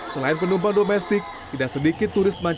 selain penumpang domestik tidak sedikit turis mandiri